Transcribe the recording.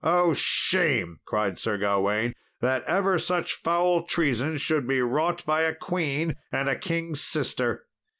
"Oh shame!" cried Sir Gawain, "that ever such foul treason should be wrought by a queen, and a king's sister."